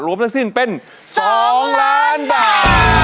ทั้งสิ้นเป็น๒ล้านบาท